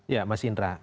ya mas indra